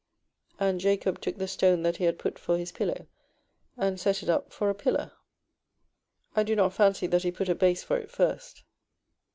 "And Jacob took the stone that he had put for his pillow, and set it up for a pillar." I do not fancy that he put a base for it first.